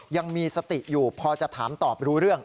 ยังมีสติอยู่พอจะถามตอบรู้เรื่อง